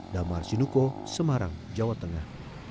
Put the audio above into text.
damar sinuko semarang jawa tengah